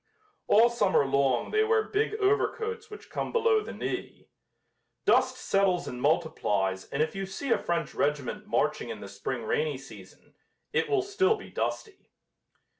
All summer long they wear big overcoats which come below the knee. Dust settles and multiplies and if you see a French regiment marching in the spring rainy season, it will still be dusty.